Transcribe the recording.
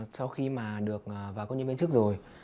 sau khi mà được vào công nhân viên chức rồi